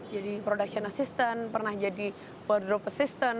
jadi production assistant pernah jadi wardrobe assistant